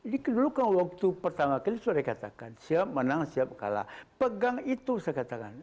jadi dulu kan waktu pertama kali sudah dikatakan siap menang siap kalah pegang itu saya katakan